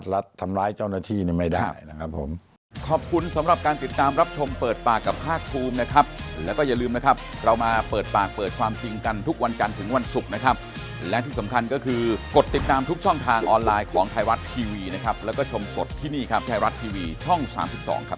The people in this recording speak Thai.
และทำร้ายเจ้าหน้าที่ไม่ได้นะครับผม